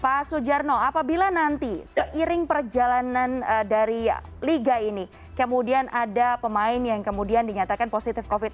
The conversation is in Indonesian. pak sujarno apabila nanti seiring perjalanan dari liga ini kemudian ada pemain yang kemudian dinyatakan positif covid sembilan